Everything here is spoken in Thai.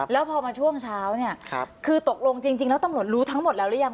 แล้วพอมาช่วงเช้าเนี่ยคือตกลงจริงแล้วตำรวจรู้ทั้งหมดแล้วหรือยัง